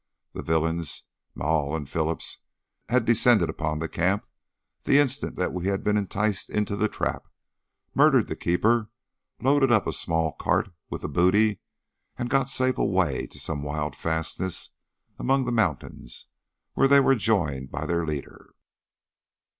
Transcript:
The villains, Maule and Phillips, had descended upon the camp the instant that we had been enticed into the trap, murdered the keeper, loaded up a small cart with the booty, and got safe away to some wild fastness among the mountains, where they were joined by their wily leader.